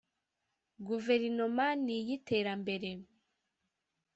Guverinoma n iy iterambere